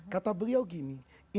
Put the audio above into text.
kata beliau gini